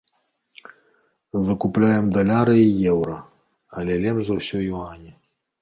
Закупляем даляры і еўра, але лепш за ўсё юані.